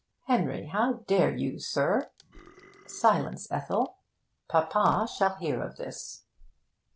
Henry, how dare you, sir? Silence, Ethel! Papa shall hear of this.'